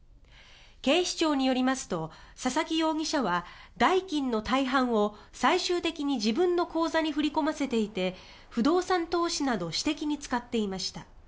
警視庁によりますと佐々木容疑者は代金の大半を最終的に自分の口座に振り込ませていて不動産投資など私的に使っていました。